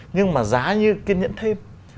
nhưng mà giá như kiên nhẫn thêm